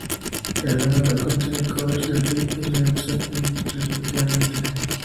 El lado B contiene covers de Free y Led Zeppelin, respectivamente.